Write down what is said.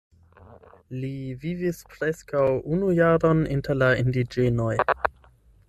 Li vivis preskaŭ unu jaron inter la indiĝenoj.